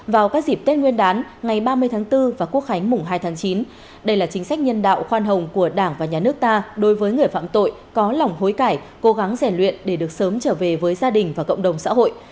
vào các dịp tết nguyên đán ngày ba mươi tháng bốn và quốc khánh mùng hai tháng chín đây là chính sách nhân đạo khoan hồng của đảng và nhà nước ta đối với người phạm tội có lòng hối cãi cố gắng rèn luyện để được sớm trở về với gia đình và cộng đồng xã hội